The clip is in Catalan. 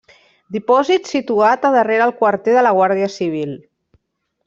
Dipòsit situat a darrere el quarter de la Guàrdia civil.